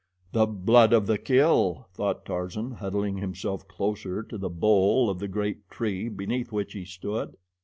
"The blood of the kill," thought Tarzan, huddling himself closer to the bole of the great tree beneath which he stood.